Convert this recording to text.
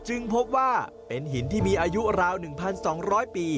พบว่าเป็นหินที่มีอายุราว๑๒๐๐ปี